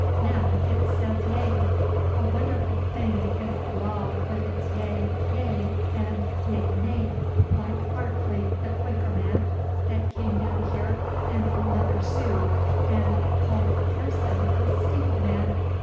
Now, it says nay. A wonderful thing is the law with its yea, yea, and nay, nay, like Barclay, the Quaker man, that came down here in a leather suit, and ca'd the parson a steepleman.